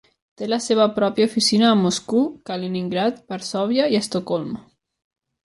Té la seva pròpia oficina a Moscou, Kaliningrad, Varsòvia i Estocolm.